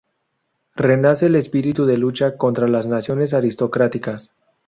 Renace el espíritu de lucha contra las naciones aristocráticas.